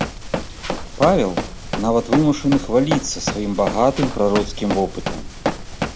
Павел нават вымушаны хваліцца сваім багатым прароцкім вопытам.